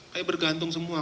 kayak bergantung semua